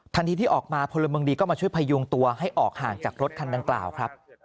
ทันทีที่ออกมาพลเมิงดีก็มาช่วยพยุงตัวให้ออกห่างจากรถคันต่างครับ